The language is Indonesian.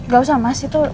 gak usah mas itu